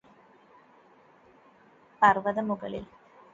പർവത മുകളിൽ